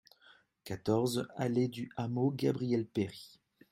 quatorze allée du Hameau Gabriel Péri